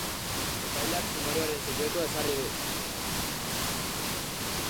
Epaileak sumarioaren sekretua ezarri du.